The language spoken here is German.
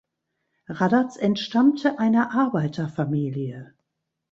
Raddatz entstammte einer Arbeiterfamilie.